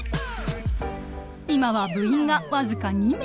今は部員が僅か２名。